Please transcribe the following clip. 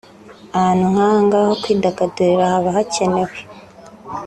« Ahantu nk’ahangaha ho kwidagadurira haba hakenewe